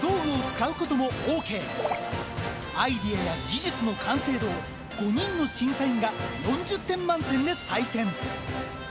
アイデアや技術の完成度を５人の審査員が４０点満点で採点。